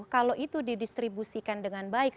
kalau itu didistribusikan dengan baik